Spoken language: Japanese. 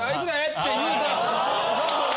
って言うた。